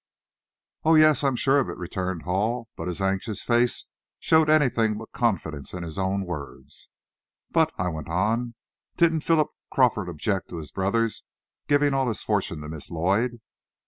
"Oh, yes, I'm sure of it," returned Hall, but his anxious face showed anything but confidence in his own words. "But," I went on, "didn't Philip Crawford object to his brother's giving all his fortune to Miss Lloyd?"